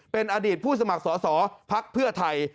เป็นอดีตผู้สมัครสอสอภักดิ์เพื่อไทย